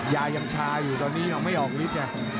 ยายังชาอยู่ตอนนี้ยังไม่ออกฤทธิไง